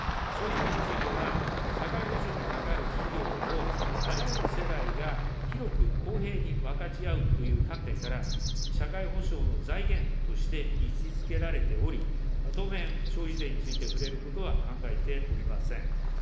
消費税については、社会保障にかかる費用を、あらゆる世代が広く公平に分かち合うという観点から、社会保障の財源として位置づけられており、当面、消費税について触れることは考えておりません。